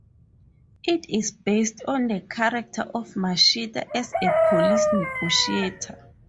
It is based on the character of Mashita as a police negotiator.